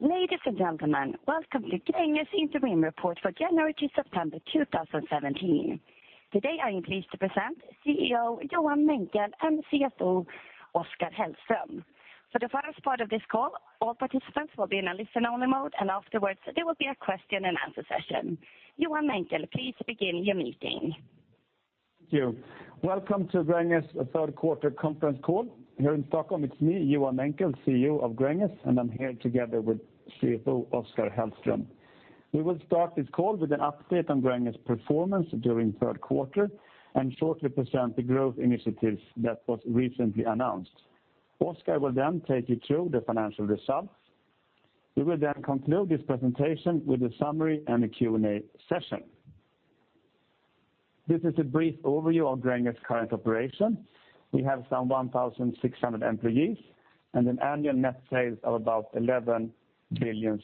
Ladies and gentlemen, welcome to Gränges interim report for January to September 2017. Today, I am pleased to present CEO Johan Menckel and CFO Oskar Hellström. For the first part of this call, all participants will be in a listen-only mode, afterwards, there will be a question and answer session. Johan Menckel, please begin your meeting. Thank you. Welcome to Gränges third quarter conference call here in Stockholm. It is me, Johan Menckel, CEO of Gränges, and I am here together with CFO Oskar Hellström. We will start this call with an update on Gränges performance during third quarter and shortly present the growth initiatives that was recently announced. Oskar will then take you through the financial results. We will then conclude this presentation with a summary and a Q&A session. This is a brief overview of Gränges current operation. We have some 1,600 employees and an annual net sales of about 11 billion.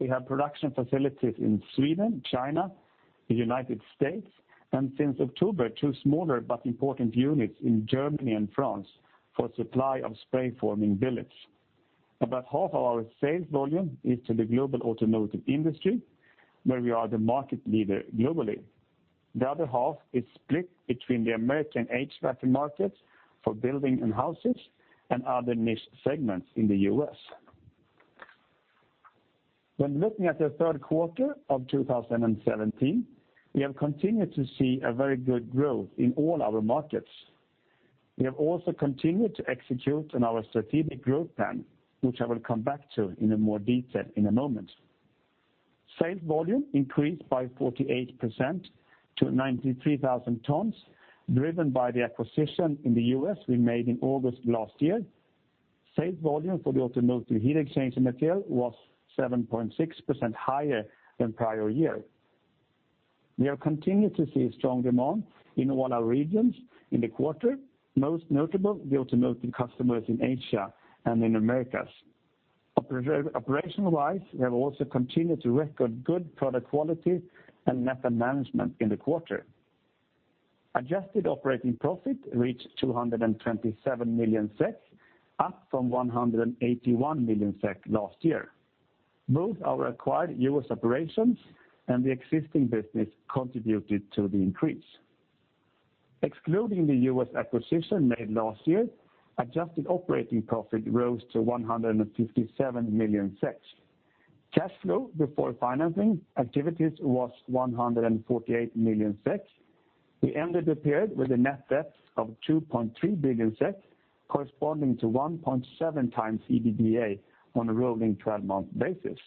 We have production facilities in Sweden, China, the United States, and since October, two smaller but important units in Germany and France for supply of spray forming billets. About half of our sales volume is to the global automotive industry, where we are the market leader globally. The other half is split between the American HVAC markets for building and houses and other niche segments in the U.S. When looking at the third quarter of 2017, we have continued to see a very good growth in all our markets. We have also continued to execute on our strategic growth plan, which I will come back to in more detail in a moment. Sales volume increased by 48% to 93,000 tons, driven by the acquisition in the U.S. we made in August last year. Sales volume for the automotive heat exchange material was 7.6% higher than prior year. We have continued to see strong demand in all our regions in the quarter, most notable the automotive customers in Asia and in Americas. Operational-wise, we have also continued to record good product quality and metal management in the quarter. Adjusted operating profit reached 227 million SEK, up from 181 million SEK last year. Both our acquired U.S. operations and the existing business contributed to the increase. Excluding the U.S. acquisition made last year, adjusted operating profit rose to 157 million. Cash flow before financing activities was 148 million. We ended the period with a net debt of 2.3 billion, corresponding to 1.7 times EBITDA on a rolling 12-month basis.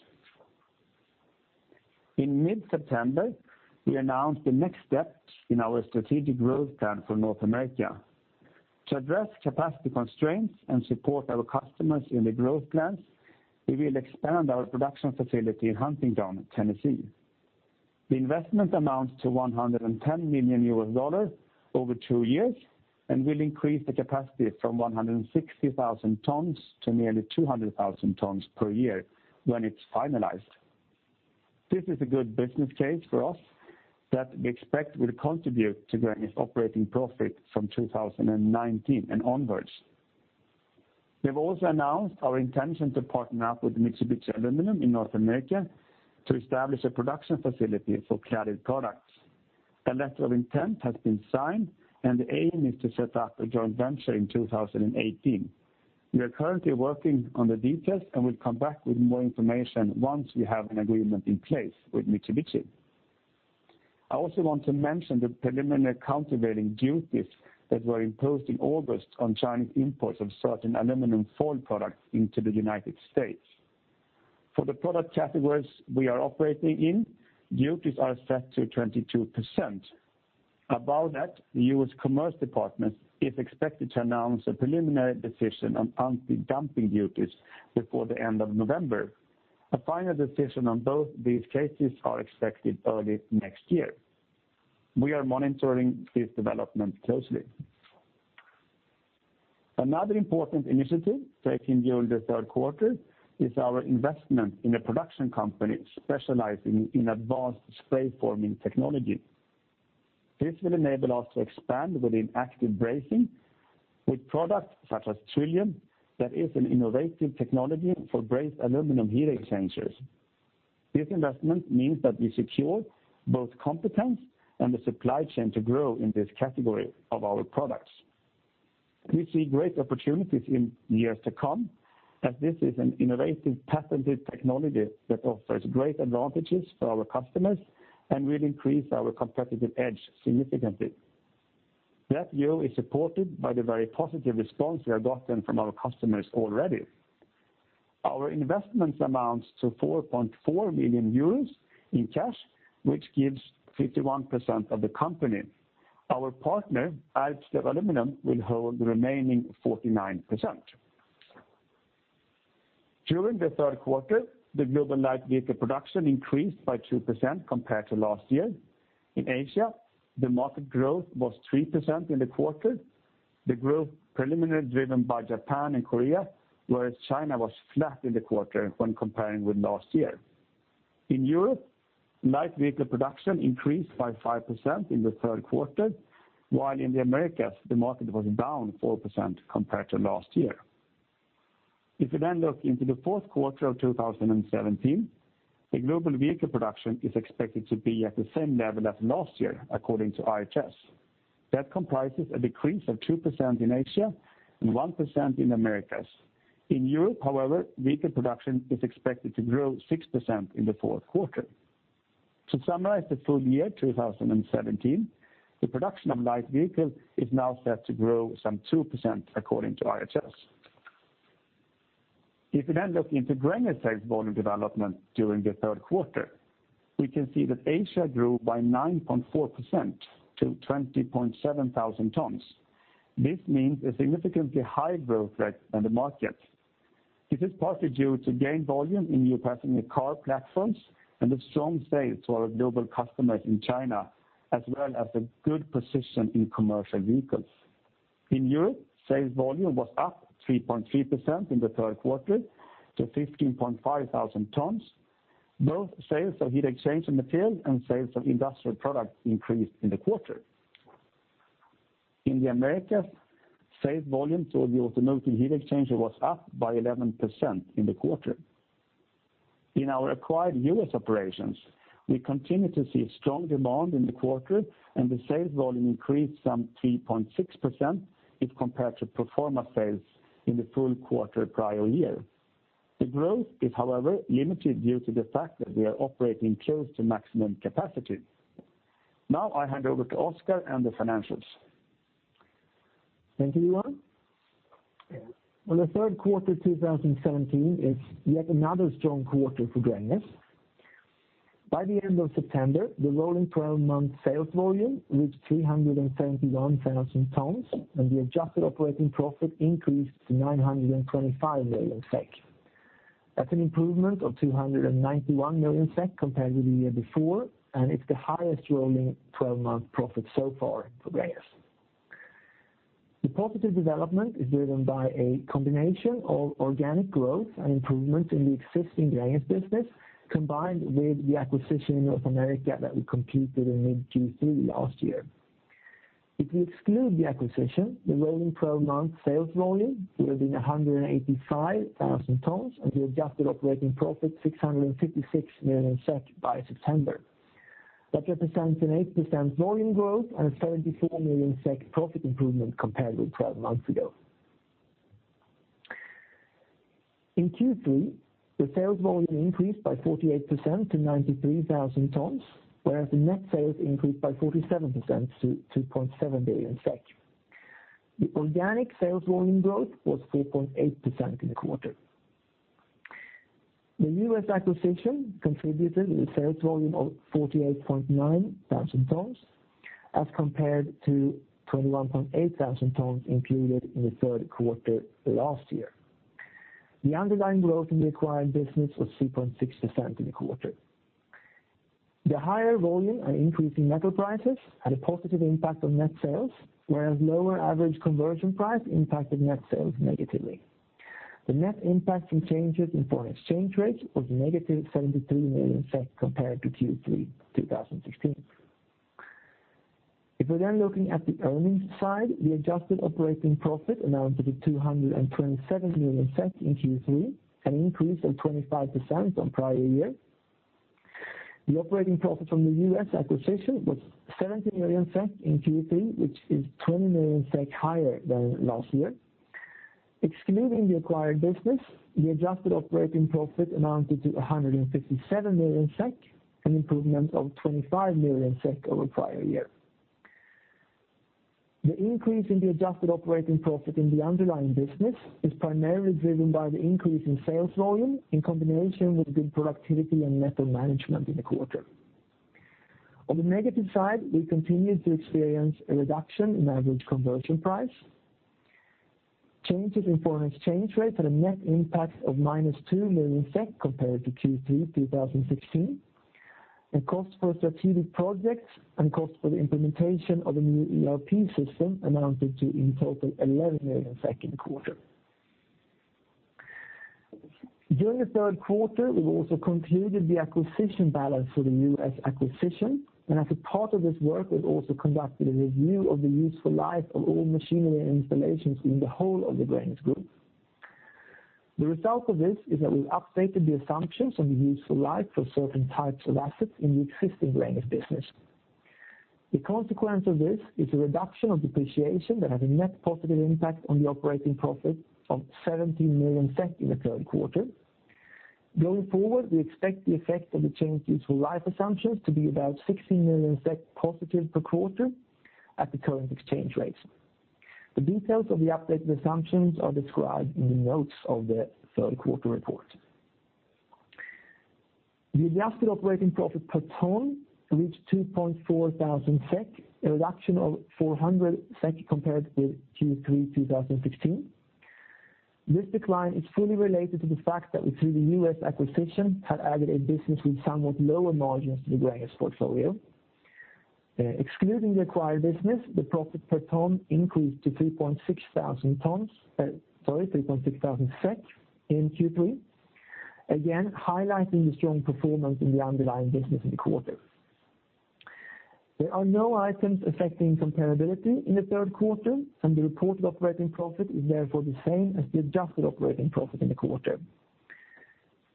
In mid-September, we announced the next steps in our strategic growth plan for North America. To address capacity constraints and support our customers in the growth plans, we will expand our production facility in Huntingdon, Tennessee. The investment amounts to $110 million over two years and will increase the capacity from 160,000 tons to nearly 200,000 tons per year when it is finalized. This is a good business case for us that we expect will contribute to Gränges operating profit from 2019 and onwards. We have also announced our intention to partner up with Mitsubishi Aluminum in North America to establish a production facility for Clad products. A letter of intent has been signed, and the aim is to set up a joint venture in 2018. We are currently working on the details and will come back with more information once we have an agreement in place with Mitsubishi. I also want to mention the preliminary countervailing duties that were imposed in August on Chinese imports of certain aluminum foil products into the U.S. For the product categories we are operating in, duties are set to 22%. Above that, the U.S. Department of Commerce is expected to announce a preliminary decision on anti-dumping duties before the end of November. A final decision on both these cases are expected early next year. Another important initiative taken during the third quarter is our investment in a production company specializing in advanced spray forming technology. This will enable us to expand within active brazing with products such as TRILLIUM that is an innovative technology for brazed aluminum heat exchangers. This investment means that we secure both competence and the supply chain to grow in this category of our products. We see great opportunities in years to come as this is an innovative, patented technology that offers great advantages for our customers and will increase our competitive edge significantly. That view is supported by the very positive response we have gotten from our customers already. Our investments amounts to 4.4 million euros in cash, which gives 51% of the company. Our partner, Alsted Aluminum, will hold the remaining 49%. During the third quarter, the global light vehicle production increased by 2% compared to last year. In Asia, the market growth was 3% in the quarter. The growth preliminary driven by Japan and Korea, whereas China was flat in the quarter when comparing with last year. In Europe, light vehicle production increased by 5% in the third quarter, while in the Americas, the market was down 4% compared to last year. If you then look into the fourth quarter of 2017, the global vehicle production is expected to be at the same level as last year, according to IHS. That comprises a decrease of 2% in Asia and 1% in the Americas. In Europe, however, vehicle production is expected to grow 6% in the fourth quarter. To summarize the full year 2017, the production of light vehicles is now set to grow some 2%, according to IHS. If you then look into Gränges sales volume development during the third quarter, we can see that Asia grew by 9.4% to 20,700 tons. This means a significantly higher growth rate than the market. This is partly due to gained volume in new passenger car platforms and the strong sales to our global customers in China, as well as a good position in commercial vehicles. In Europe, sales volume was up 3.3% in the third quarter to 15,500 tons. Both sales of heat exchange and materials and sales of industrial products increased in the quarter. In the Americas, sales volume for the automotive heat exchanger was up by 11% in the quarter. In our acquired U.S. operations, we continue to see strong demand in the quarter. The sales volume increased some 3.6% if compared to pro forma sales in the full quarter prior year. The growth is, however, limited due to the fact that we are operating close to maximum capacity. Now, I hand over to Oskar and the financials. Thank you, Johan. The third quarter 2017 is yet another strong quarter for Gränges. By the end of September, the rolling 12-month sales volume reached 371,000 tons. The adjusted operating profit increased to 925 million SEK. That's an improvement of 291 million SEK compared to the year before, and it's the highest rolling 12-month profit so far for Gränges. The positive development is driven by a combination of organic growth and improvement in the existing Gränges business, combined with the acquisition in North America that we completed in mid Q3 last year. If we exclude the acquisition, the rolling 12-month sales volume would have been 185,000 tons. The adjusted operating profit 656 million by September. That represents an 8% volume growth and a 74 million SEK profit improvement compared with 12 months ago. In Q3, the sales volume increased by 48% to 93,000 tons, whereas the net sales increased by 47% to 2.7 billion. The organic sales volume growth was 4.8% in the quarter. The U.S. acquisition contributed with sales volume of 48.9 thousand tons as compared to 21.8 thousand tons included in the third quarter last year. The underlying growth in the acquired business was 3.6% in the quarter. The higher volume and increase in metal prices had a positive impact on net sales, whereas lower average conversion price impacted net sales negatively. The net impact from changes in foreign exchange rates was negative 73 million compared to Q3 2016. If we're then looking at the earnings side, the adjusted operating profit amounted to 227 million in Q3, an increase of 25% on prior year. The operating profit from the U.S. acquisition was 70 million SEK in Q3, which is 20 million SEK higher than last year. Excluding the acquired business, the adjusted operating profit amounted to 157 million SEK, an improvement of 25 million SEK over prior year. The increase in the adjusted operating profit in the underlying business is primarily driven by the increase in sales volume in combination with good productivity and metal management in the quarter. On the negative side, we continued to experience a reduction in average conversion price. Changes in foreign exchange rates had a net impact of minus 2 million SEK compared to Q3 2016. Cost for strategic projects and cost for the implementation of a new ERP system amounted to, in total, 11 million in the quarter. During the third quarter, we've also concluded the acquisition balance for the U.S. acquisition, and as a part of this work, we've also conducted a review of the useful life of all machinery and installations in the whole of the Gränges Group. The result of this is that we've updated the assumptions on the useful life for certain types of assets in the existing Gränges business. The consequence of this is a reduction of depreciation that has a net positive impact on the operating profit of 17 million in the current quarter. Going forward, we expect the effect of the changed useful life assumptions to be about 16 million positive per quarter at the current exchange rates. The details of the updated assumptions are described in the notes of the third quarter report. The adjusted operating profit per ton reached 2,400 SEK, a reduction of 400 SEK compared with Q3 2015. This decline is fully related to the fact that we, through the U.S. acquisition, had added a business with somewhat lower margins to the Gränges portfolio. Excluding the acquired business, the profit per ton increased to 3.6 thousand in Q3. Highlighting the strong performance in the underlying business in the quarter. There are no items affecting comparability in the third quarter, and the reported operating profit is therefore the same as the adjusted operating profit in the quarter.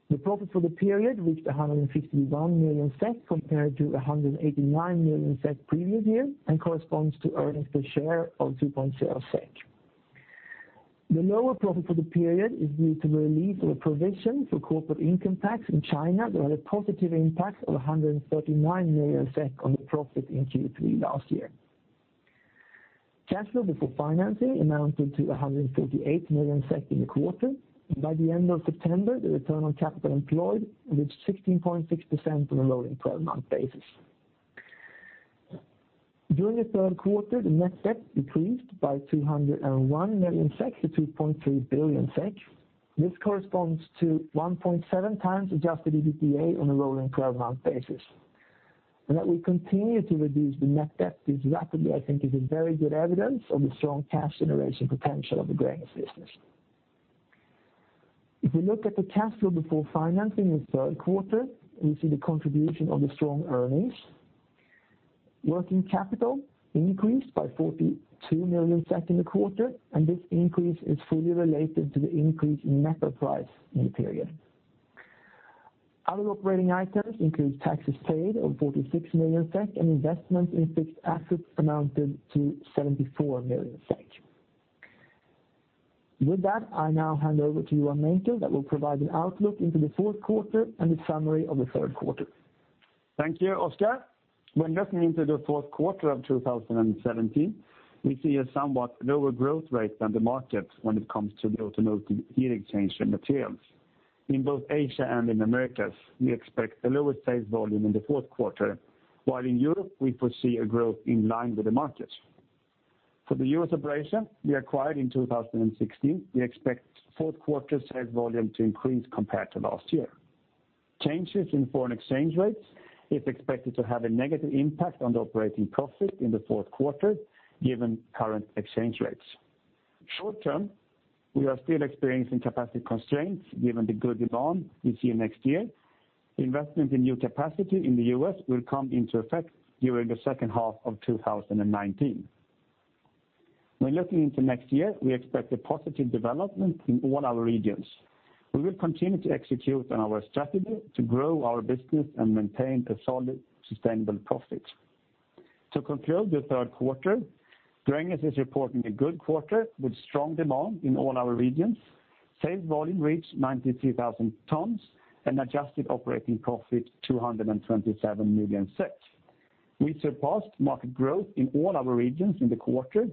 The profit for the period reached 151 million compared to 189 million previous year and corresponds to earnings per share of 2.0 SEK. The lower profit for the period is due to the release of a provision for corporate income tax in China that had a positive impact of 139 million on the profit in Q3 last year. Cash flow before financing amounted to 158 million in the quarter. By the end of September, the return on capital employed reached 16.6% on a rolling 12-month basis. During the third quarter, the net debt decreased by 201 million to 2.3 billion. This corresponds to 1.7 times adjusted EBITDA on a rolling 12-month basis. That we continue to reduce the net debt this rapidly I think is a very good evidence of the strong cash generation potential of the Gränges business. If you look at the cash flow before financing in the third quarter, you see the contribution of the strong earnings. Working capital increased by 42 million in the quarter, and this increase is fully related to the increase in metal price in the period. Other operating items include taxes paid of 46 million SEK and investment in fixed assets amounted to 74 million SEK. With that, I now hand over to Johan Menckel that will provide an outlook into the fourth quarter and the summary of the third quarter. Thank you, Oskar. Looking into the fourth quarter of 2017, we see a somewhat lower growth rate than the market when it comes to the automotive heat exchanger materials. In both Asia and in Americas, we expect a lower sales volume in the fourth quarter, while in Europe we foresee a growth in line with the market. For the U.S. operation we acquired in 2016, we expect fourth quarter sales volume to increase compared to last year. Changes in foreign exchange rates is expected to have a negative impact on the operating profit in the fourth quarter, given current exchange rates. Short term, we are still experiencing capacity constraints given the good demand this year and next year. Investment in new capacity in the U.S. will come into effect during the second half of 2019. Looking into next year, we expect a positive development in all our regions. We will continue to execute on our strategy to grow our business and maintain a solid, sustainable profit. To conclude the third quarter, Gränges is reporting a good quarter with strong demand in all our regions. Sales volume reached 92,000 tonnes and adjusted operating profit 227 million. We surpassed market growth in all our regions in the quarter.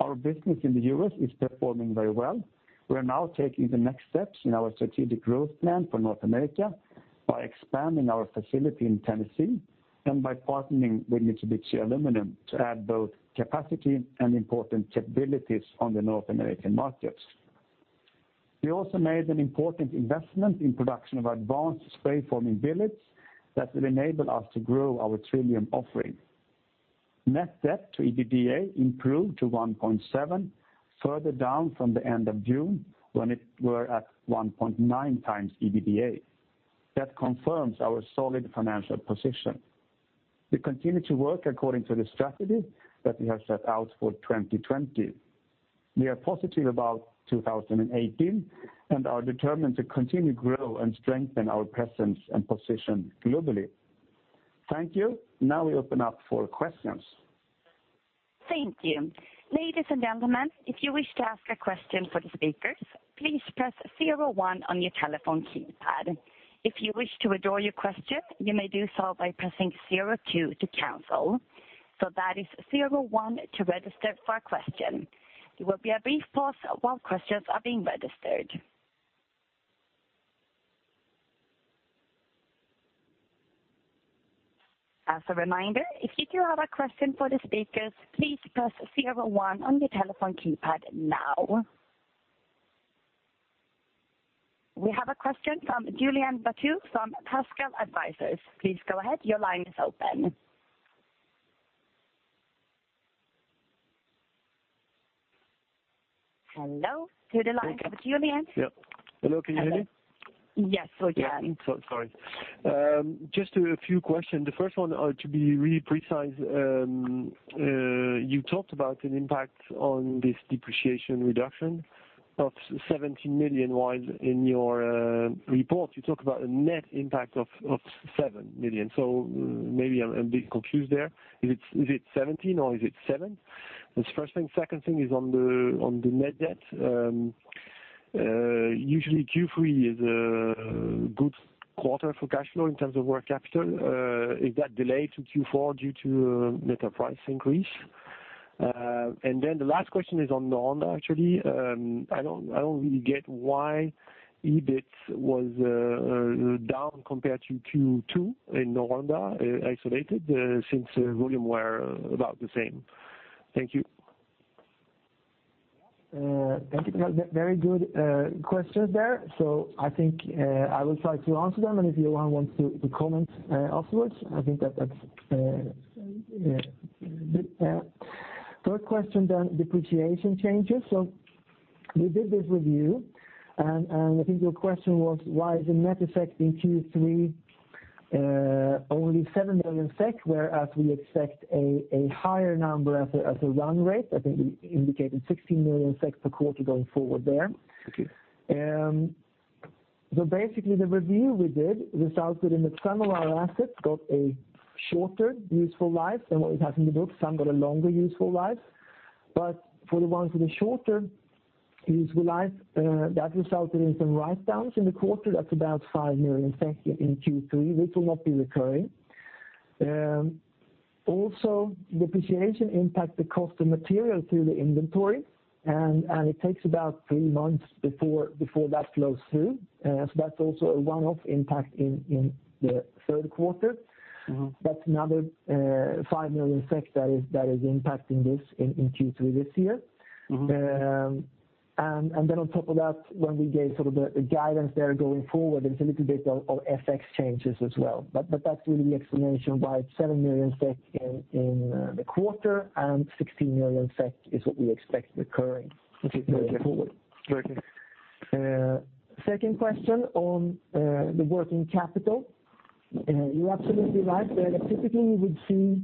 Our business in the U.S. is performing very well. We are now taking the next steps in our strategic growth plan for North America by expanding our facility in Tennessee and by partnering with Mitsubishi Aluminum to add both capacity and important capabilities on the North American markets. We also made an important investment in production of advanced spray forming billets that will enable us to grow our TRILLIUM offering. Net debt to EBITDA improved to 1.7, further down from the end of June, when it were at 1.9 times EBITDA. That confirms our solid financial position. We continue to work according to the strategy that we have set out for 2020. We are positive about 2018 and are determined to continue to grow and strengthen our presence and position globally. Thank you. We open up for questions. Thank you. Ladies and gentlemen, if you wish to ask a question for the speakers, please press 01 on your telephone keypad. If you wish to withdraw your question, you may do so by pressing 02 to cancel. That is 01 to register for a question. There will be a brief pause while questions are being registered. As a reminder, if you do have a question for the speakers, please press 01 on your telephone keypad now. We have a question from Julien Batteau from Pascal Investment Advisers. Please go ahead. Your line is open. Hello. To the line of Julien. Yep. Hello, can you hear me? Yes, we can. Sorry. Just a few questions. The first one, to be really precise, you talked about an impact on this depreciation reduction of 17 million, while in your report you talk about a net impact of 7 million. Maybe I'm a bit confused there. Is it 17 or is it 7? That's the first thing. Second thing is on the net debt. Usually Q3 is a good quarter for cash flow in terms of working capital. Is that delayed to Q4 due to metal price increase? The last question is on Noranda, actually. I don't really get why EBIT was down compared to Q2 in Noranda isolated, since volume were about the same. Thank you. Thank you, Julien. Very good questions there. I think I will try to answer them, and if Johan wants to comment afterwards, I think that's good. Third question, depreciation changes. We did this review, and I think your question was why is the net effect in Q3 only 7 million SEK, whereas we expect a higher number as a run rate? I think we indicated 16 million per quarter going forward there. Okay. Basically the review we did resulted in that some of our assets got a shorter useful life than what we have in the book. Some got a longer useful life. For the ones with a shorter useful life, that resulted in some write-downs in the quarter. That's about 5 million in Q3, which will not be recurring. Also, depreciation impact the cost of material through the inventory, and it takes about three months before that flows through. That's also a one-off impact in the third quarter. That's another 5 million that is impacting this in Q3 this year. On top of that, when we gave the guidance there going forward, there's a little bit of FX changes as well. That's really the explanation why 7 million SEK in the quarter and 16 million SEK is what we expect recurring going forward. Okay. Second question on the working capital. You're absolutely right there that typically you would see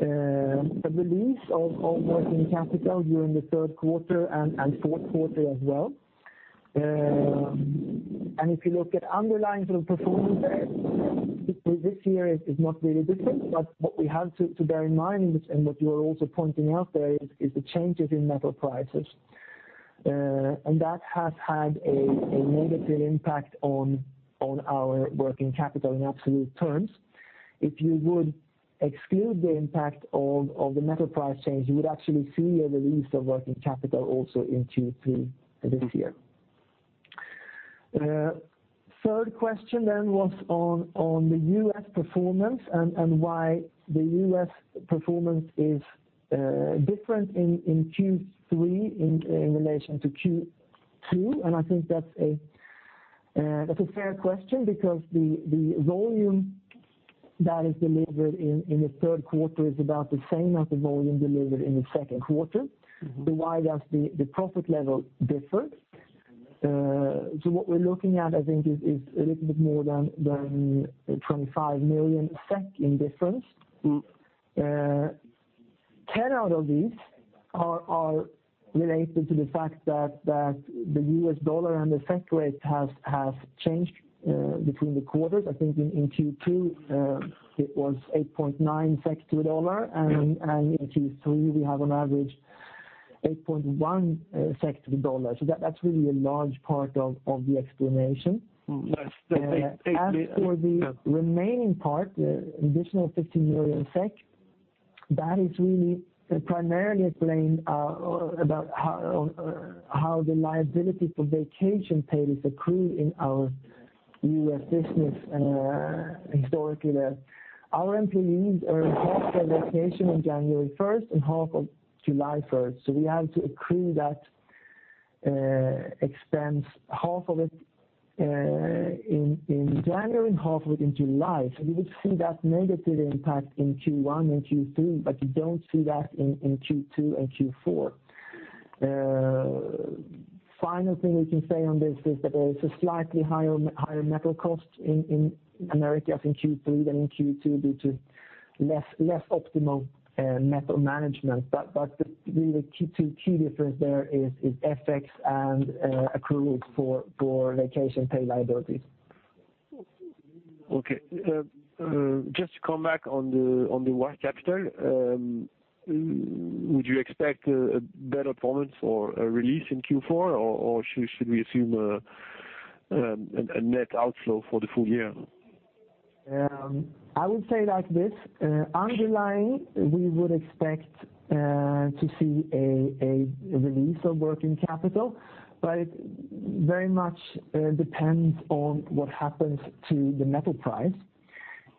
a release of working capital during the third quarter and fourth quarter as well. If you look at underlying performance there, this year is not really different. What we have to bear in mind, and what you are also pointing out there, is the changes in metal prices. That has had a negative impact on our working capital in absolute terms. If you would exclude the impact of the metal price change, you would actually see a release of working capital also in Q3 this year. Third question then was on the U.S. performance and why the U.S. performance is different in Q3 in relation to Q2. I think that's a fair question because the volume that is delivered in the third quarter is about the same as the volume delivered in the second quarter. Why does the profit level differ? What we're looking at I think is a little bit more than 25 million SEK in difference. 10 out of these are related to the fact that the U.S. dollar and the SEK rate has changed between the quarters. I think in Q2, it was 8.9 SEK to the dollar, and in Q3, we have on average 8.1 SEK to the dollar. That's really a large part of the explanation. Yes. As for the remaining part, the additional 15 million SEK, that is really primarily explained about how the liability for vacation pay is accrued in our U.S. business historically there. Our employees earn half their vacation on January 1st and half on July 1st. We have to accrue that expense, half of it in January and half of it in July. You would see that negative impact in Q1 and Q3, but you don't see that in Q2 and Q4. Final thing we can say on this is that there is a slightly higher metal cost in America in Q3 than in Q2 due to less optimal metal management. The really key difference there is FX and accruals for vacation pay liabilities. Okay. Just to come back on the working capital. Would you expect a better performance or a release in Q4, or should we assume a net outflow for the full year? I would say it like this. Underlying, we would expect to see a release of working capital, but it very much depends on what happens to the metal price.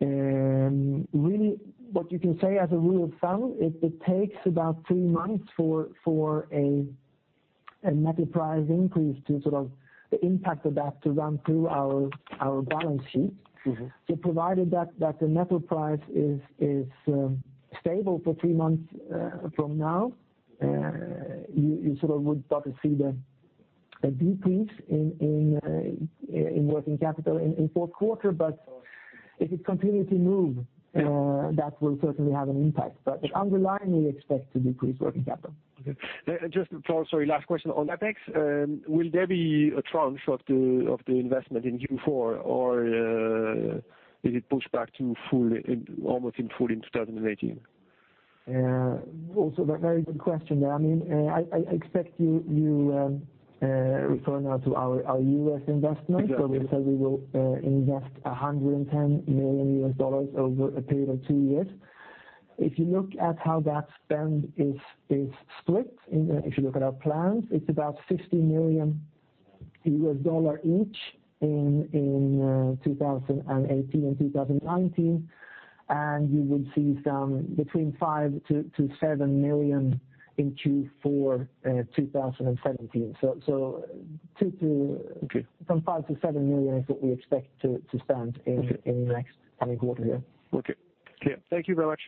Really what you can say as a rule of thumb, it takes about three months for a metal price increase to the impact of that to run through our balance sheet. Provided that the metal price is stable for three months from now, you sort of would start to see the decrease in working capital in fourth quarter. If it continues to move, that will certainly have an impact. Underlying, we expect to decrease working capital. Okay. Just, sorry, last question on CapEx. Will there be a tranche of the investment in Q4 or is it pushed back to almost in full in 2018? Also, a very good question. I expect you're referring now to our U.S. investment- Exactly where we said we will invest $110 million over a period of two years. If you look at how that spend is split, if you look at our plans, it's about $60 million each in 2018 and 2019, and you would see $5 million-$7 million in Q4 2017. From $5 million-$7 million is what we expect to spend in the next coming quarter, yeah. Okay, clear. Thank you very much.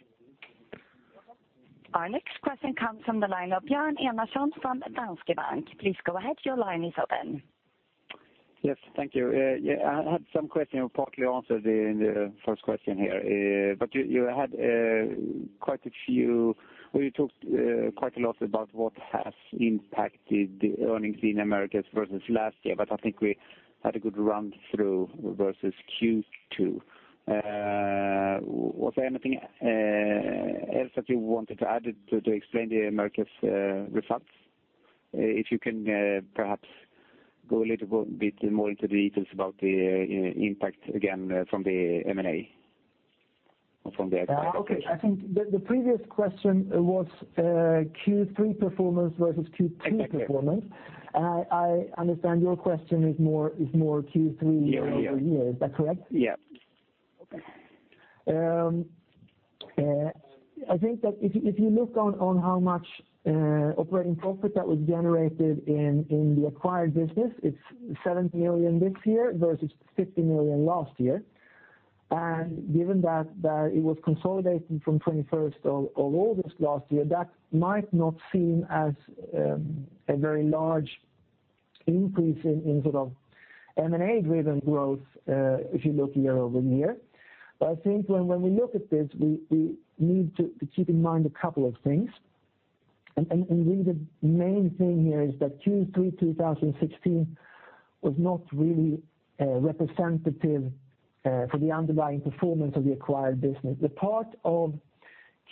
Our next question comes from the line of Jan Enasson from Danske Bank. Please go ahead. Your line is open. Yes, thank you. I had some questions partly answered in the first question here. You talked quite a lot about what has impacted the earnings in Americas versus last year, but I think we had a good run through versus Q2. Was there anything else that you wanted to add to explain the Americas results? If you can perhaps go a little bit more into the details about the impact again from the M&A or from the acquisition. Okay. I think the previous question was Q3 performance versus Q2 performance. Exactly. I understand your question is more Q3 year-over-year. Is that correct? Yeah. Okay. I think that if you look on how much operating profit that was generated in the acquired business, it's $7 million this year versus $50 million last year. Given that it was consolidated from 21st of August last year, that might not seem as a very large increase in M&A-driven growth if you look year-over-year. I think when we look at this, we need to keep in mind a couple of things, and really the main thing here is that Q3 2016 was not really representative for the underlying performance of the acquired business. The part of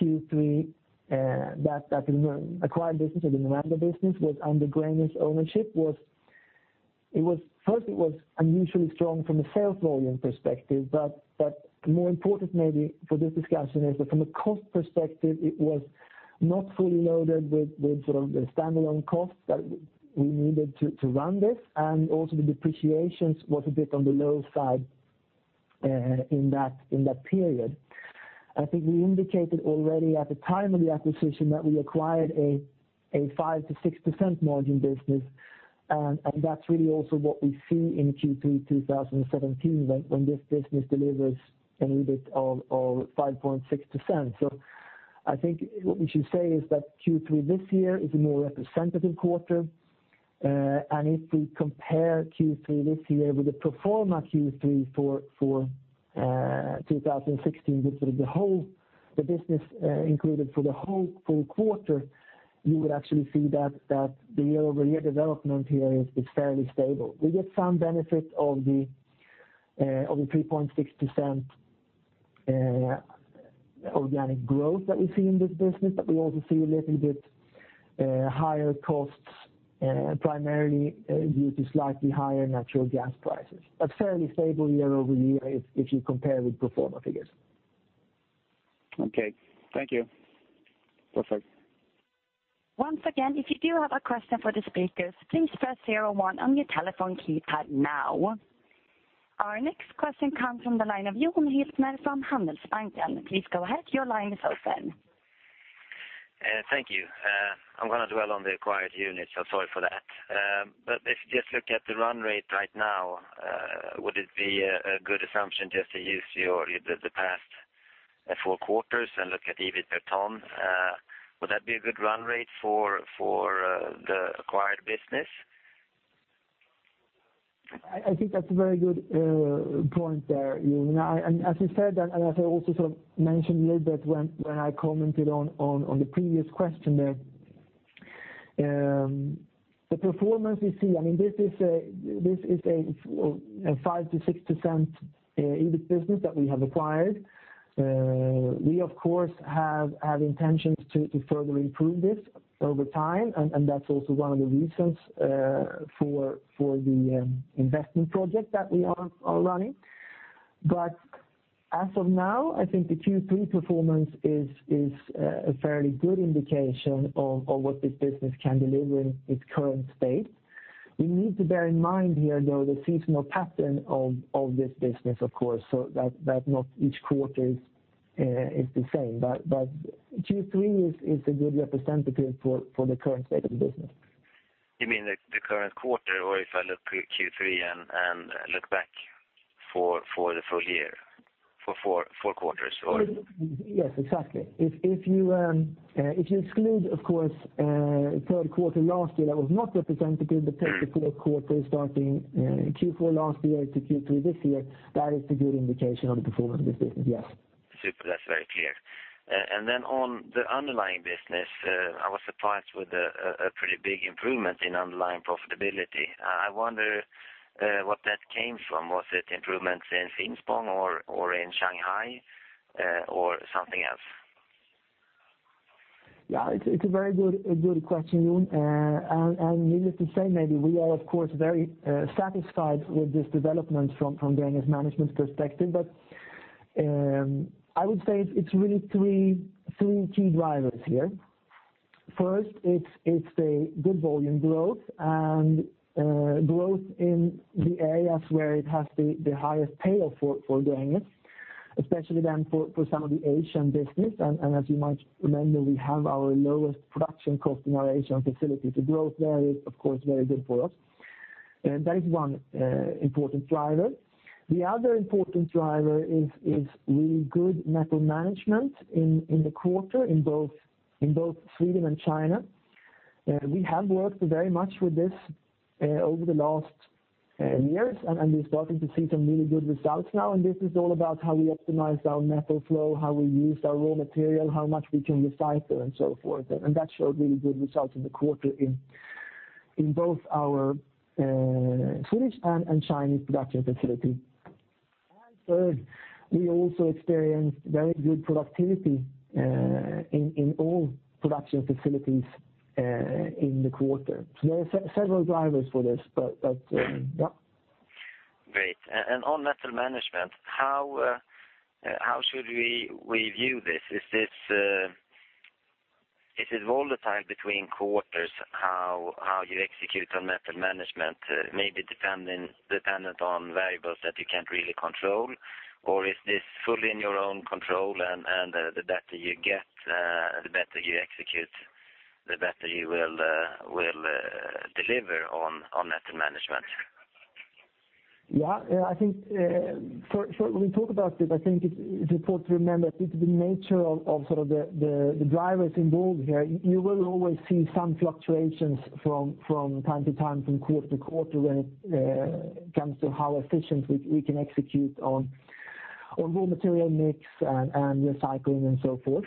Q3 that the acquired business or the Noranda business was under Gränges ownership, first it was unusually strong from a sales volume perspective, but more important maybe for this discussion is that from a cost perspective, it was not fully loaded with the stand-alone costs that we needed to run this, and also the depreciations was a bit on the low side in that period. I think we indicated already at the time of the acquisition that we acquired a 5%-6% margin business, and that's really also what we see in Q3 2017 when this business delivers an EBIT of 5.6%. I think what we should say is that Q3 this year is a more representative quarter. If we compare Q3 this year with the pro forma Q3 for 2016 with the business included for the whole full quarter, you would actually see that the year-over-year development here is fairly stable. We get some benefit of the 3.6% organic growth that we see in this business, but we also see a little bit higher costs, primarily due to slightly higher natural gas prices. Fairly stable year-over-year if you compare with pro forma figures. Okay. Thank you. Perfect. Once again, if you do have a question for the speakers, please press 01 on your telephone keypad now. Our next question comes from the line of Jon Hiltner from Handelsbanken. Please go ahead. Your line is open. Thank you. I'm going to dwell on the acquired unit, so sorry for that. If you just look at the run rate right now, would it be a good assumption just to use the past four quarters and look at EBIT per ton? Would that be a good run rate for the acquired business? I think that's a very good point there, Jon. As you said, as I also mentioned a little bit when I commented on the previous question there, the performance we see, this is a 5%-6% EBIT business that we have acquired. We, of course, have intentions to further improve this over time, and that's also one of the reasons for the investment project that we are running. As of now, I think the Q3 performance is a fairly good indication of what this business can deliver in its current state. We need to bear in mind here, though, the seasonal pattern of this business, of course, so that not each quarter is the same. Q3 is a good representative for the current state of the business. You mean the current quarter, or if I look Q3 and look back for the full year? For four quarters? Yes, exactly. If you exclude, of course, third quarter last year, that was not representative, take the four quarters starting Q4 last year to Q3 this year, that is a good indication of the performance of this business, yes. Super. That's very clear. Then on the underlying business, I was surprised with a pretty big improvement in underlying profitability. I wonder where that came from. Was it improvements in Finspång or in Shanghai or something else? Yeah, it is a very good question, Jon. Needless to say, maybe we are, of course, very satisfied with this development from Gränges management perspective. I would say it is really three key drivers. First, it is a good volume growth, and growth in the areas where it has the highest payoff for Gränges, especially then for some of the Asian business. As you might remember, we have our lowest production cost in our Asian facility. The growth there is, of course, very good for us. That is one important driver. The other important driver is really good metal management in the quarter, in both Sweden and China. We have worked very much with this over the last years. We are starting to see some really good results now. This is all about how we optimize our metal flow, how we use our raw material, how much we can recycle, and so forth. That showed really good results in the quarter in both our Swedish and Chinese production facilities. Third, we also experienced very good productivity in all production facilities in the quarter. There are several drivers for this. Great. On metal management, how should we view this? Is it volatile between quarters how you execute on metal management? Maybe dependent on variables that you cannot really control, or is this fully in your own control and the better you execute, the better you will deliver on metal management? Yeah. When we talk about it, I think it is important to remember it is the nature of the drivers involved here. You will always see some fluctuations from time to time, from quarter to quarter, when it comes to how efficient we can execute on raw material mix and recycling and so forth.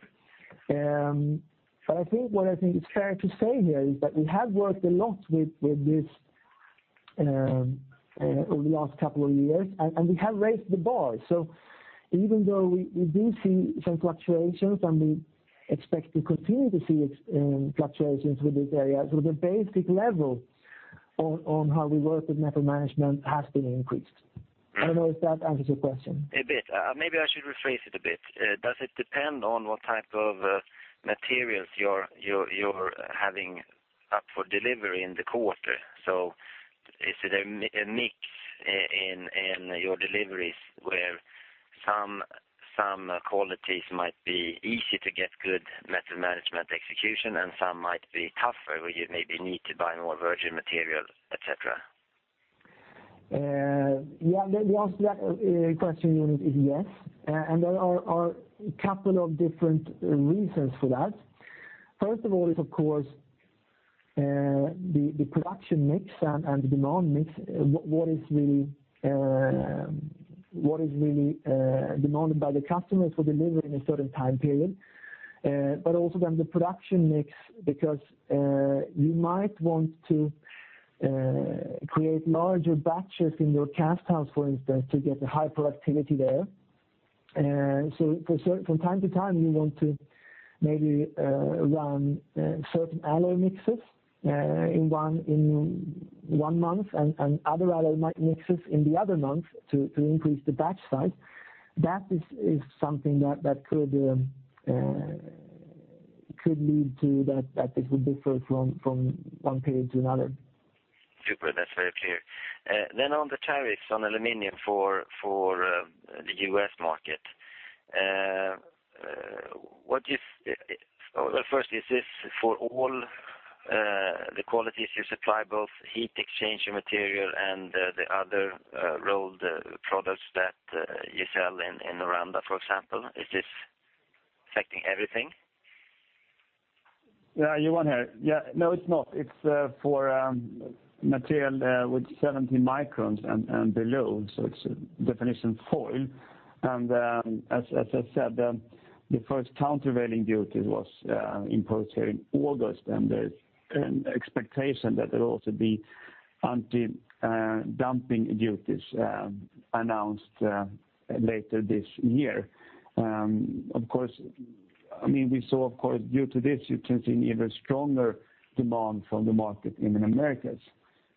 What I think is fair to say here is that we have worked a lot with this over the last couple of years. We have raised the bar. Even though we do see some fluctuations, we expect to continue to see fluctuations with this area. The basic level on how we work with metal management has been increased. I do not know if that answers your question. A bit. Maybe I should rephrase it a bit. Does it depend on what type of materials you're having up for delivery in the quarter? Is it a mix in your deliveries where some qualities might be easy to get good metal management execution and some might be tougher, where you maybe need to buy more virgin material, et cetera? Yeah. The answer to that question, Jonas, is yes. There are a couple of different reasons for that. First of all is, of course, the production mix and demand mix, what is really demanded by the customers for delivery in a certain time period. Also then the production mix, because you might want to create larger batches in your cast house, for instance, to get a high productivity there. From time to time, you want to maybe run certain alloy mixes in one month and other alloy mixes in the other month to increase the batch size. That is something that could lead to that it will differ from one period to another. Super. That's very clear. On the tariffs on aluminum for the U.S. market. First, is this for all the qualities you supply, both heat exchanger material and the other rolled products that you sell in Noranda, for example? Is this affecting everything? Yeah, Johan here. Yeah. No, it's not. It's for material with 70 microns and below, so it's definition foil. As I said, the first countervailing duty was imposed here in August, and there's an expectation that there'll also be anti-dumping duties announced later this year. We saw, of course, due to this, you can see an even stronger demand from the market in the Americas.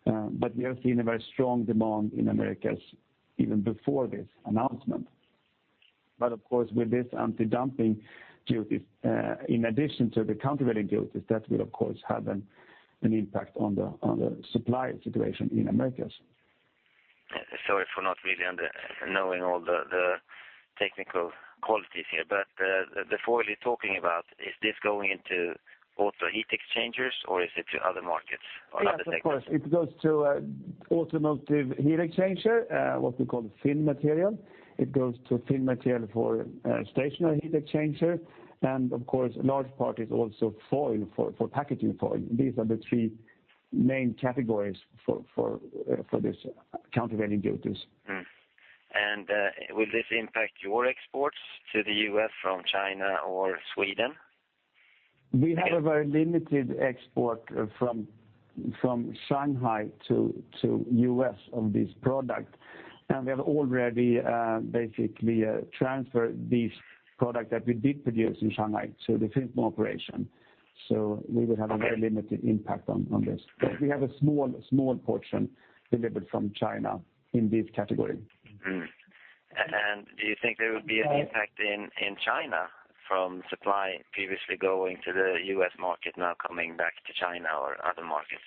We have seen a very strong demand in Americas even before this announcement. Of course, with this anti-dumping duties, in addition to the countervailing duties, that will of course have an impact on the supply situation in Americas. Sorry for not really knowing all the technical qualities here, but the foil you are talking about, is this going into auto heat exchangers or is it to other markets or other sectors? Yes, of course, it goes to automotive heat exchanger, what we call fin material. It goes to fin material for stationary heat exchanger, Of course, large part is also foil for packaging foil. These are the three main categories for these countervailing duties. Will this impact your exports to the U.S. from China or Sweden? We have a very limited export from Shanghai to U.S. of this product. We have already basically transferred these product that we did produce in Shanghai to the Finspång operation. We would have a very limited impact on this. We have a small portion delivered from China in this category. Do you think there would be an impact in China from supply previously going to the U.S. market now coming back to China or other markets?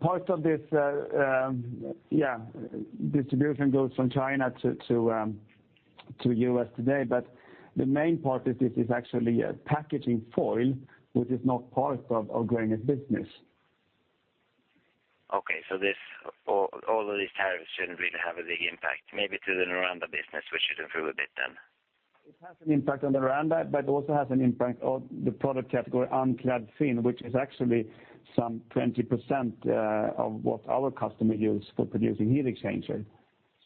Part of this distribution goes from China to U.S. today, but the main part of this is actually a packaging foil, which is not part of our Gränges business. Okay. All of these tariffs shouldn't really have a big impact, maybe to the Noranda business, which you improved a bit then. It has an impact on the Noranda, but also has an impact on the product category unclad fin, which is actually some 20% of what our customer uses for producing heat exchanger.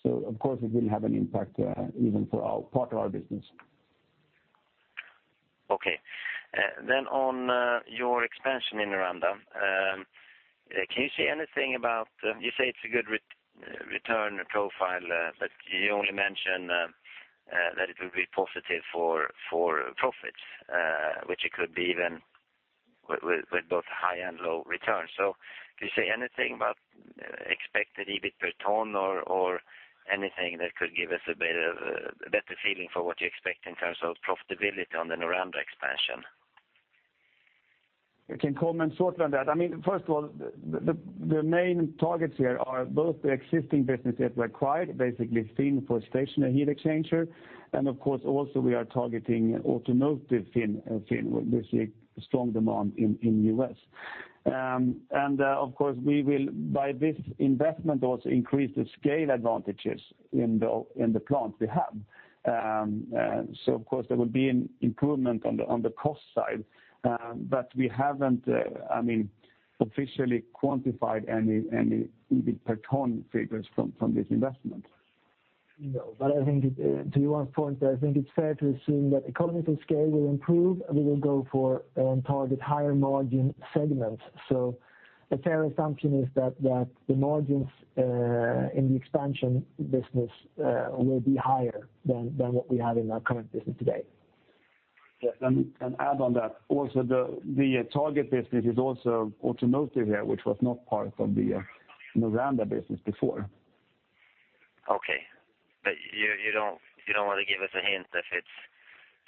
Of course it will have an impact even for part of our business. Okay. On your expansion in Noranda, can you say anything? You say it's a good return profile, but you only mention that it will be positive for profits, which it could be even with both high and low returns. Can you say anything about expected EBIT per ton, or anything that could give us a better feeling for what you expect in terms of profitability on the Noranda expansion? I can comment shortly on that. First of all, the main targets here are both the existing businesses we acquired, basically fin for stationary heat exchanger, and of course also we are targeting automotive fin where we see strong demand in U.S. Of course, we will, by this investment, also increase the scale advantages in the plant we have. Of course there will be an improvement on the cost side. We haven't officially quantified any EBIT per ton figures from this investment. I think to Johan's point there, I think it's fair to assume that economies of scale will improve, and we will go for and target higher margin segments. A fair assumption is that the margins in the expansion business will be higher than what we have in our current business today. Let me add on that. The target business is also automotive here, which was not part of the Noranda business before. Okay. You don't want to give us a hint if it's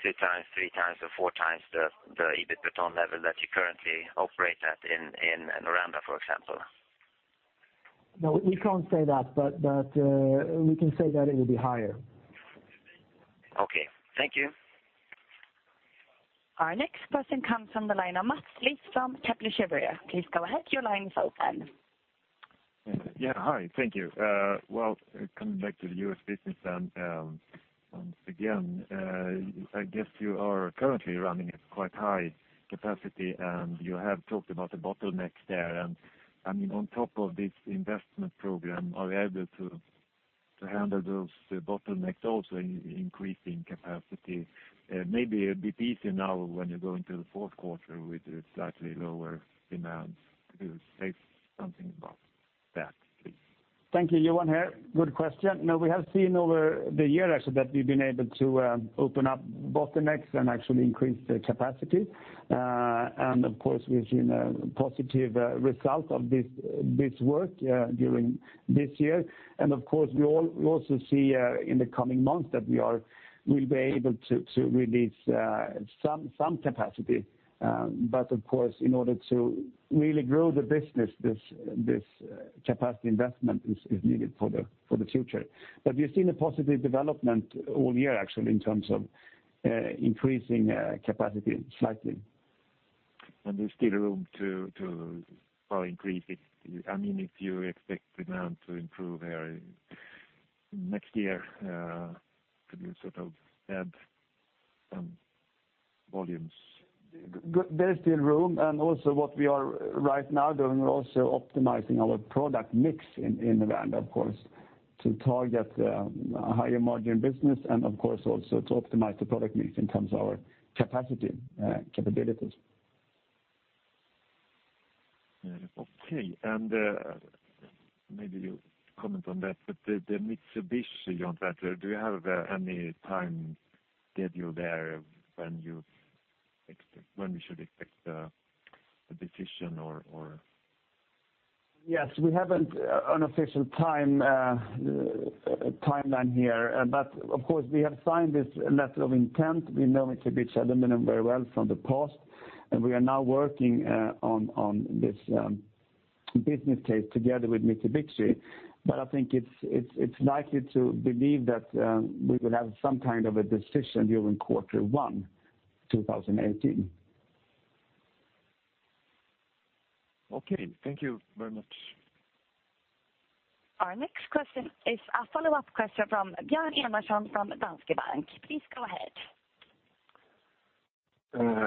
two times, three times, or four times the EBIT per ton level that you currently operate at in Noranda, for example? No, we can't say that, but we can say that it will be higher. Okay. Thank you. Our next question comes from the line of Mats Liss from Kepler Cheuvreux. Please go ahead. Your line is open. Hi, thank you. Coming back to the U.S. business once again, I guess you are currently running at quite high capacity, and you have talked about the bottlenecks there. On top of this investment program, are you able to handle those bottlenecks also in increasing capacity? Maybe it would be easier now when you go into the fourth quarter with a slightly lower demand to say something about that, please. Thank you. Johan here. Good question. We have seen over the year actually that we've been able to open up bottlenecks and actually increase the capacity. Of course, we've seen a positive result of this work during this year. Of course, we also see in the coming months that we'll be able to release some capacity. Of course, in order to really grow the business, this capacity investment is needed for the future. We've seen a positive development all year actually in terms of increasing capacity slightly. There's still room to probably increase it. If you expect demand to improve here next year, could you sort of add some volumes? There's still room, and also what we are right now doing, we're also optimizing our product mix in Noranda, of course, to target a higher margin business, and of course also to optimize the product mix in terms of our capacity capabilities. Okay. Maybe you comment on that, but the Mitsubishi, Johan, do you have any time schedule there when we should expect a decision or? Yes, we haven't an official timeline here. Of course, we have signed this letter of intent. We know Mitsubishi Aluminum very well from the past, and we are now working on this business case together with Mitsubishi. I think it's likely to believe that we will have some kind of a decision during quarter one 2018. Okay. Thank you very much. Our next question is a follow-up question from Bjarne Emersom from Danske Bank. Please go ahead.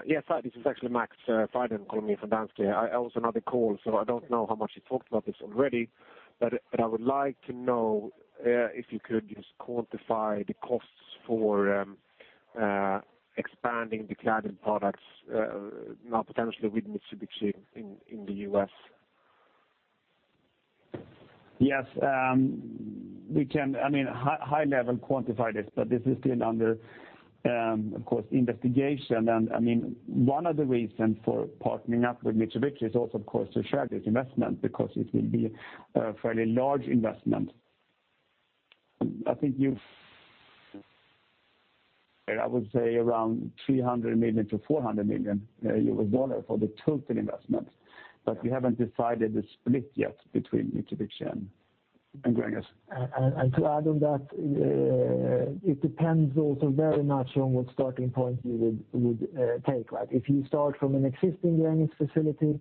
Yes. This is actually Max Frydén calling in from Danske Bank. I was on another call, I don't know how much you talked about this already. I would like to know if you could just quantify the costs for expanding the clad products now potentially with Mitsubishi in the U.S. We can at a high level quantify this is still under investigation. One of the reasons for partnering up with Mitsubishi is also to share this investment because it will be a fairly large investment. I would say around $300 million-$400 million for the total investment, we haven't decided the split yet between Mitsubishi and Gränges. To add on that, it depends also very much on what starting point you would take. If you start from an existing Gränges facility,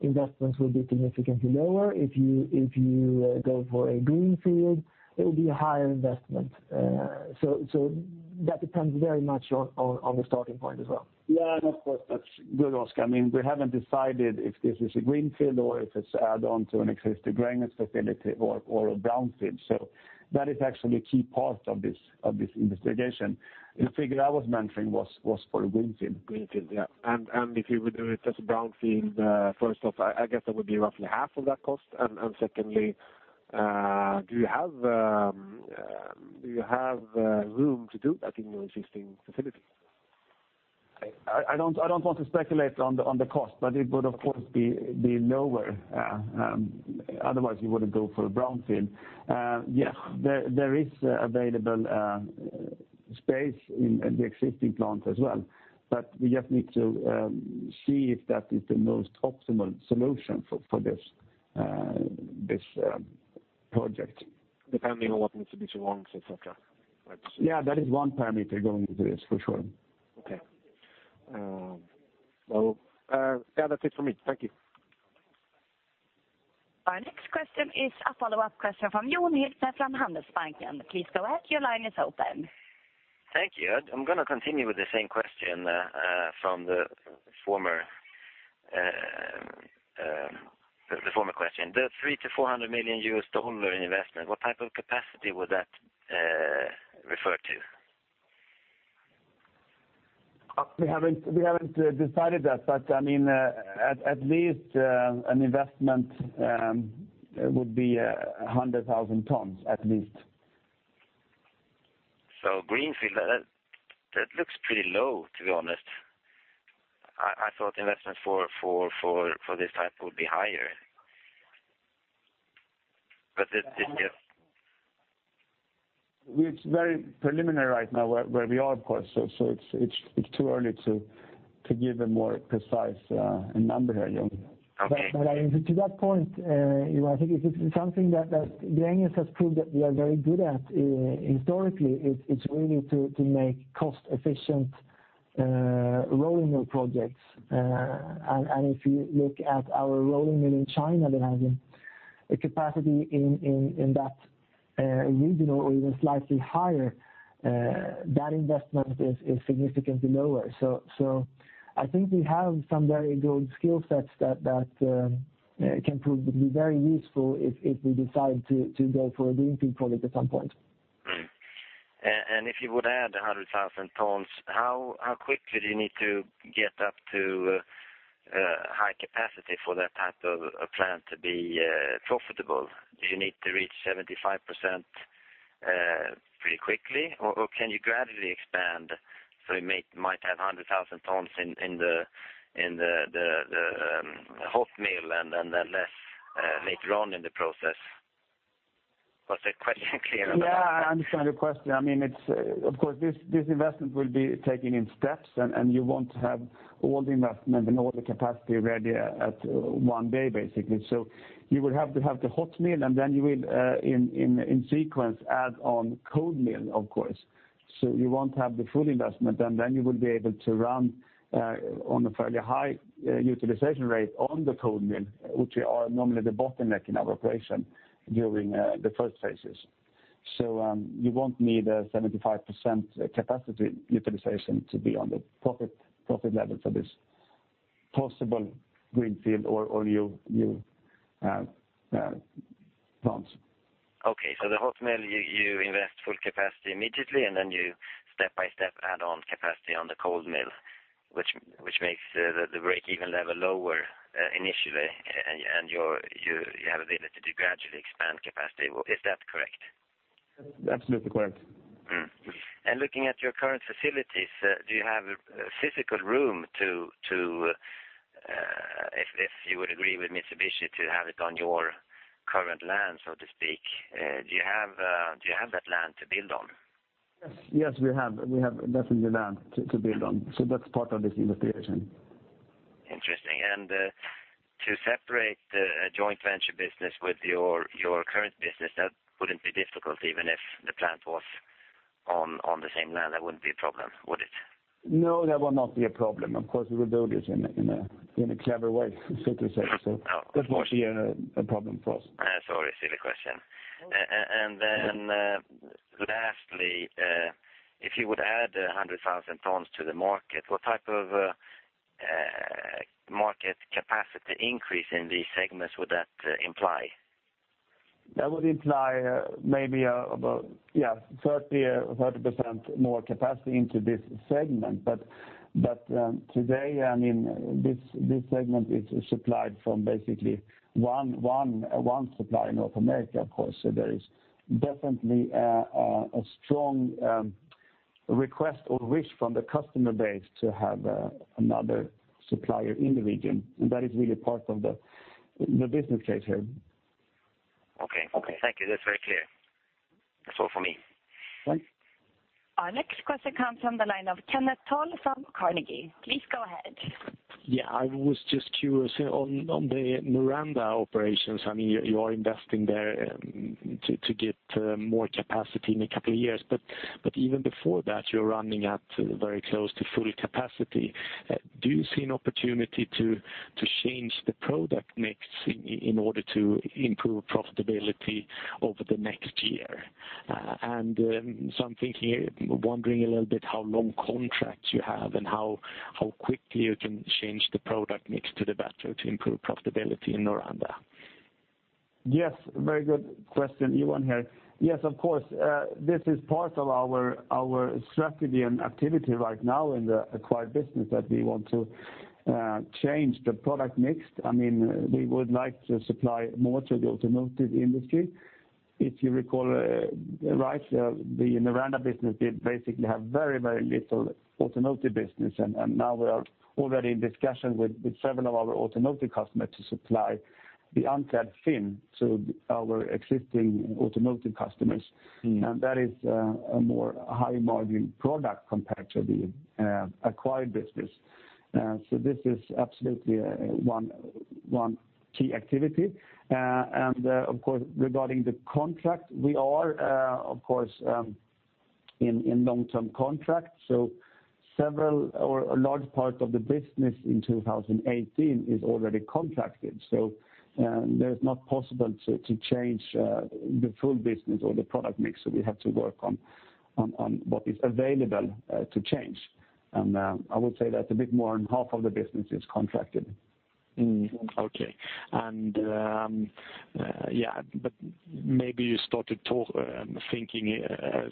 investments will be significantly lower. If you go for a greenfield, it will be a higher investment. That depends very much on the starting point as well. Yeah, that's good, Oskar. We haven't decided if this is a greenfield or if it's add-on to an existing Gränges facility or a brownfield. That is actually a key part of this investigation. The figure I was mentioning was for a greenfield. Greenfield, yeah. If you would do it as a brownfield, first off, I guess that would be roughly half of that cost. Secondly, do you have room to do that in your existing facility? I don't want to speculate on the cost, it would of course be lower, otherwise you wouldn't go for a brownfield. Yeah, there is available space in the existing plant as well, we just need to see if that is the most optimal solution for this project. Depending on what Mitsubishi wants, et cetera. Yeah, that is one parameter going into this for sure. Okay. That's it for me. Thank you. Our next question is a follow-up question from Jon Hiltner from Handelsbanken. Please go ahead. Your line is open. Thank you. I'm going to continue with the same question from the former question. The $300 million-$400 million U.S. dollar investment, what type of capacity would that refer to? We haven't decided that, at least an investment would be 100,000 tons at least. Greenfield, that looks pretty low, to be honest. I thought investment for this type would be higher. It's very preliminary right now where we are, of course, it's too early to give a more precise number here, Jon. Okay. To that point, I think if it's something that Gränges has proved that we are very good at historically is really to make cost-efficient rolling mill projects. If you look at our rolling mill in China that has a capacity in that region or even slightly higher, that investment is significantly lower. I think we have some very good skill sets that can prove to be very useful if we decide to go for a greenfield project at some point. If you would add 100,000 tons, how quickly do you need to get up to high capacity for that type of a plant to be profitable? Do you need to reach 75% pretty quickly, or can you gradually expand so you might have 100,000 tons in the hot mill and then less later on in the process? Was that question clear enough? Yeah, I understand your question. Of course, this investment will be taken in steps, you won't have all the investment and all the capacity ready at one day, basically. You will have to have the hot mill, then you will in sequence add on cold mill, of course. You won't have the full investment, then you will be able to run on a fairly high utilization rate on the cold mill, which are normally the bottleneck in our operation during the first phases. You won't need a 75% capacity utilization to be on the profit level for this possible greenfield or new plants. Okay, the hot mill, you invest full capacity immediately, then you step by step add on capacity on the cold mill, which makes the breakeven level lower initially, you have the ability to gradually expand capacity. Is that correct? That's absolutely correct. Looking at your current facilities, do you have physical room, if you would agree with Mitsubishi to have it on your current land, so to speak? Do you have that land to build on? Yes, we have. We have definitely land to build on. That's part of this investigation. Interesting. To separate the joint venture business with your current business, that wouldn't be difficult even if the plant was on the same land. That wouldn't be a problem, would it? No, that will not be a problem. Of course, we will do this in a clever way, so to say. That won't be a problem for us. Sorry, silly question. No. Lastly, if you would add 100,000 tons to the market, what type of market capacity increase in these segments would that imply? That would imply maybe about 30% more capacity into this segment. Today, this segment is supplied from basically one supplier in North America, of course. There is definitely a strong request or wish from the customer base to have another supplier in the region, and that is really part of the business case here. Okay. Thank you. That's very clear. That's all for me. Thanks. Our next question comes from the line of Kenneth Toll from Carnegie. Please go ahead. Yeah. I was just curious on the Noranda operations. You are investing there to get more capacity in a couple of years, but even before that, you're running at very close to full capacity. Do you see an opportunity to change the product mix in order to improve profitability over the next year? I'm wondering a little bit how long contracts you have and how quickly you can change the product mix to the better to improve profitability in Noranda. Yes. Very good question. Johan here. Yes, of course, this is part of our strategy and activity right now in the acquired business that we want to change the product mix. We would like to supply more to the automotive industry. If you recall, right, the Noranda business did basically have very little automotive business, now we are already in discussion with several of our automotive customers to supply the unclad fin to our existing automotive customers. That is a more high-margin product compared to the acquired business. This is absolutely one key activity. Of course, regarding the contract, we are, of course, in long-term contracts, so a large part of the business in 2018 is already contracted. There's not possible to change the full business or the product mix that we have to work on what is available to change. I would say that a bit more than half of the business is contracted. Okay. Maybe you started thinking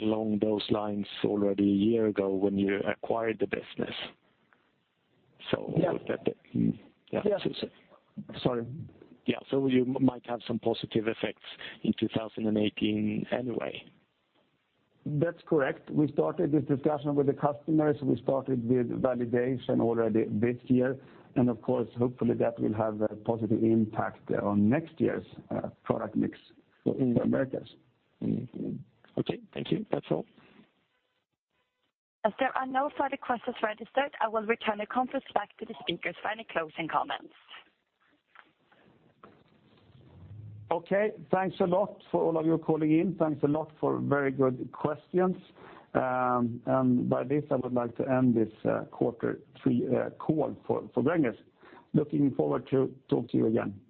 along those lines already a year ago when you acquired the business. Yeah. Sorry. Yeah. You might have some positive effects in 2018 anyway. That's correct. We started this discussion with the customers. We started with validation already this year, and of course, hopefully, that will have a positive impact on next year's product mix for Americas. Okay. Thank you. That's all. As there are no further questions registered, I will return the conference back to the speakers for any closing comments. Okay. Thanks a lot for all of you calling in. Thanks a lot for very good questions. By this, I would like to end this quarter three call for Gränges. Looking forward to talk to you again. Bye-bye